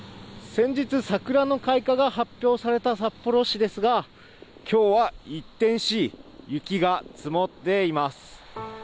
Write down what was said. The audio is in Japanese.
先日、桜の開花が発表された札幌市ですが、きょうは一転し、雪が積もっています。